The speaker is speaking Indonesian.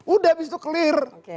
udah abis itu clear